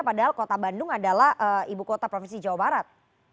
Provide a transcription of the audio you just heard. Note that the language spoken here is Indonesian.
padahal kota bandung adalah ibu kota provinsi jawa barat